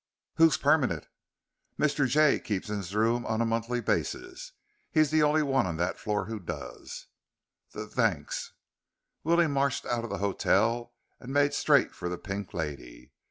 "Who's permanent?" "Mr. Jay keeps his rooms on a monthly basis. He's the only one on that floor who does." "Th thanks." Willie marched out of the hotel and made straight for the Pink Lady.